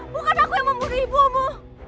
bukan aku yang membunuh ibumu